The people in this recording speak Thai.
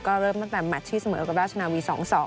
ก็เริ่มมาตรมาชฌีเสมอกับราชนาวี๒๒